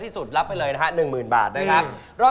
โสดแต่กินเป็นร้อย